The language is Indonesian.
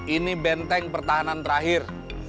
ini benteng pertahanan terakhir